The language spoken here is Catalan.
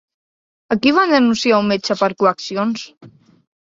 A qui va denunciar un metge per coaccions?